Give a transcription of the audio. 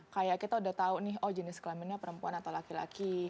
kayak kita udah tahu nih oh jenis kelaminnya perempuan atau laki laki